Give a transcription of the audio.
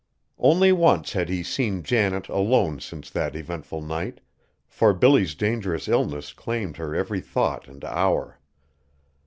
Only once had he seen Janet alone since that eventful night, for Billy's dangerous illness claimed her every thought and hour.